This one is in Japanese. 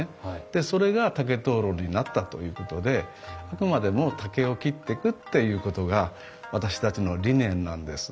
でそれが竹灯籠になったということであくまでも竹を切ってくっていうことが私たちの理念なんです。